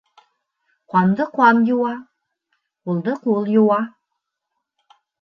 Ҡанды ҡан йыуа, ҡулды ҡул йыуа.